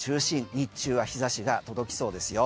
日中は日差しが届きそうですよ。